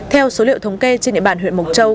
theo số liệu thống kê trên địa bàn huyện mộc châu